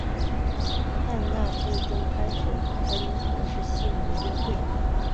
汉娜最终开始跟同事西蒙约会。